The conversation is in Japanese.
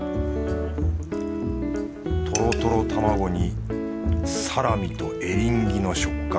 トロトロ卵にサラミとエリンギの食感